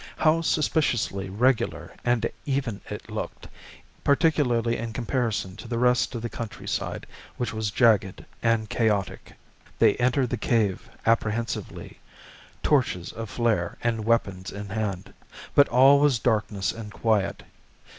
How suspiciously regular and even it looked, particularly in comparison to the rest of the countryside which was jagged and chaotic. They entered the cave apprehensively, torches aflare and weapons in hand. But all was darkness and quiet.